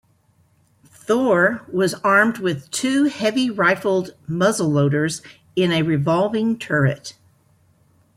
"Thor" was armed with two heavy rifled muzzleloaders in a revolving turret.